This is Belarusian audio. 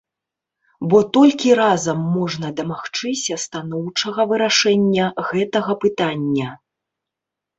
Бо толькі разам можна дамагчыся станоўчага вырашэння гэтага пытання.